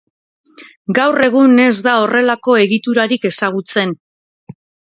Gaur egun ez da horrelako egiturarik ezagutzen.